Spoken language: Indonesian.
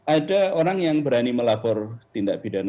ada orang yang berani melapor tindak pidana